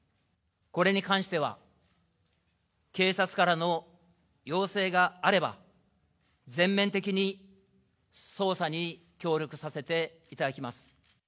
これに関しては、警察からの要請があれば、全面的に捜査に協力させていただきます。